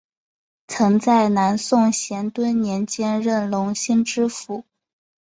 曾在南宋咸淳年间任隆兴知府。